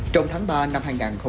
trong tháng ba năm hai nghìn hai mươi